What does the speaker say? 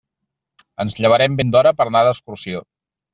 Ens llevarem ben d'hora per anar d'excursió.